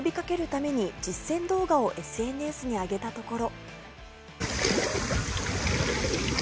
その活用を呼び掛けるために実践動画をＳＮＳにあげたところ。